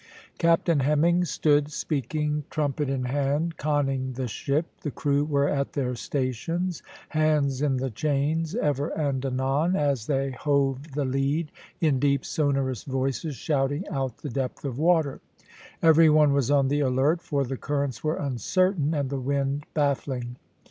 Captain Hemming stood, speaking trumpet in hand, conning the ship; the crew were at their stations; hands in the chains, ever and anon, as they hove the lead, in deep, sonorous voices shouting out the depth of water; every one was on the alert, for the currents were uncertain and the wind baffling.